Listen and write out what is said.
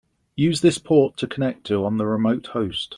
Use this port to connect to on the remote host.